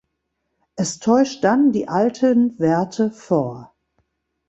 Es täuscht dann die alten Werte vor.